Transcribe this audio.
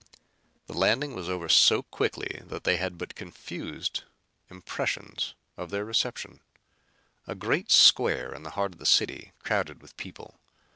The landing was over so quickly that they had but confused impressions of their reception. A great square in the heart of the city, crowded with people.